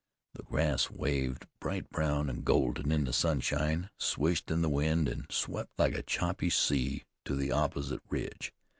The grass waved bright brown and golden in the sunshine, swished in the wind, and swept like a choppy sea to the opposite ridge.